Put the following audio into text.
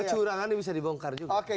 curangannya bisa dibongkar juga